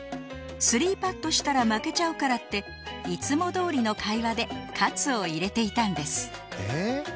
３パットしたら負けちゃうからっていつもどおりの会話で活を入れていたんです